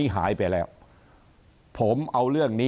เขาก็ไปร้องเรียน